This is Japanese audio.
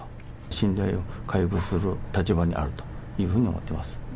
信頼を回復する立場にあるというふうに思ってます。